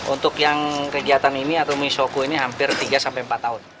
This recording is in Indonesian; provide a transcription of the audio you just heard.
untuk yang kegiatan ini atau misoko ini hampir tiga sampai empat tahun